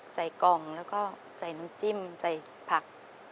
ใส่กล่องแล้วก็ใส่น้ำจิ้มใส่ผัก